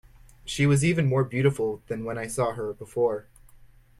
She was even more beautiful than when I saw her, before.